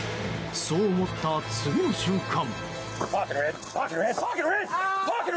そう思った次の瞬間。